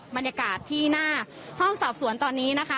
บรรยากาศที่หน้าห้องสอบสวนตอนนี้นะคะ